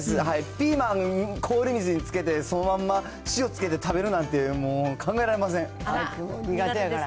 ピーマン、氷水につけて、そのまんま塩つけて食べるなんて、もう、考えられ苦手やから。